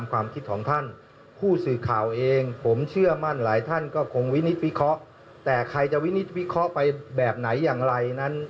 วิเคราะห์ไปแบบไหนอย่างไร